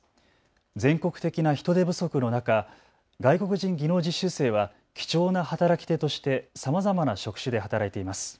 全国的な人手不足の中、外国人技能実習生は貴重な働き手としてさまざまな職種で働いています。